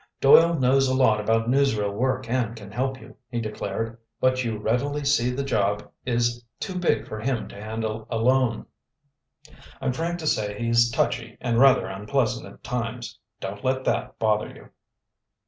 "Doyle knows a lot about newsreel work and can help you," he declared. "But you readily see the job is too big for him to handle alone. I'm frank to say he's touchy and rather unpleasant at times. Don't let that bother you."